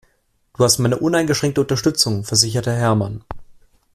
Du hast meine uneingeschränkte Unterstützung, versicherte Hermann.